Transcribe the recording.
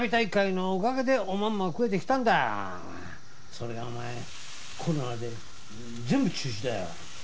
それがお前コロナで全部中止だよ。